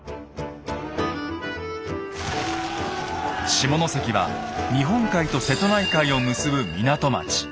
下関は日本海と瀬戸内海を結ぶ港町。